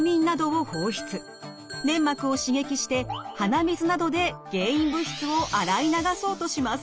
粘膜を刺激して鼻水などで原因物質を洗い流そうとします。